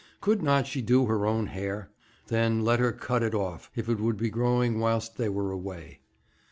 Could not she do her own hair? Then let her cut it off; it would be growing whilst they were away.